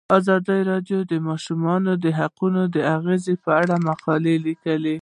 ازادي راډیو د د ماشومانو حقونه د اغیزو په اړه مقالو لیکلي.